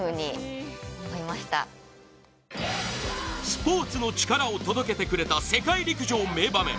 スポーツのチカラを届けてくれた世界陸上名場面。